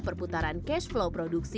perputaran cash flow produknya